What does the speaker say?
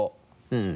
うん。